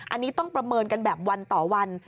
อันนี้ต้องประเมินกันแบบวันต่อวัน